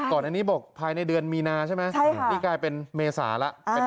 ก่อนอันนี้บอกภายในเดือนมีนาใช่ไหมนี่กลายเป็นเมษาแล้ว